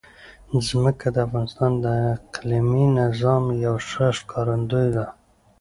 ځمکه د افغانستان د اقلیمي نظام یوه ښه ښکارندوی ده.